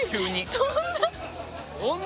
そんな。